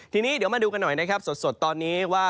ทีนี้เดี๋ยวมาดูกันหน่อยนะครับสดตอนนี้ว่า